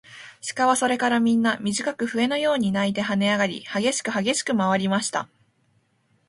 鹿はそれからみんな、みじかく笛のように鳴いてはねあがり、はげしくはげしくまわりました。